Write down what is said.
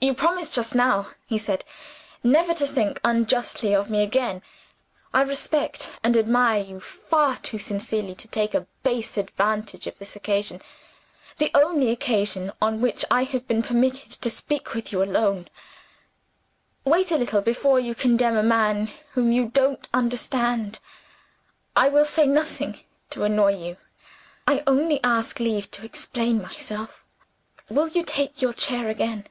"You promised just now," he said, "never to think unjustly of me again. I respect and admire you far too sincerely to take a base advantage of this occasion the only occasion on which I have been permitted to speak with you alone. Wait a little before you condemn a man whom you don't understand. I will say nothing to annoy you I only ask leave to explain myself. Will you take your chair again?"